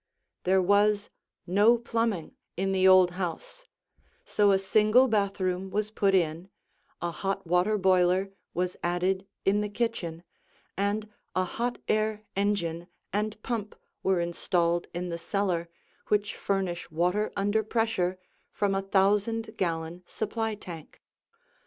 There was no plumbing in the old house, so a single bathroom was put in, a hot water boiler was added in the kitchen, and a hot air engine and pump were installed in the cellar which furnish water under pressure from a thousand gallon supply tank.